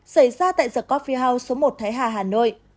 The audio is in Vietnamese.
xảy ra tại the coffee house số một thái hà hà nội